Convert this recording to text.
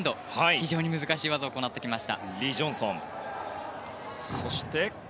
非常に難しい技を行ってきました。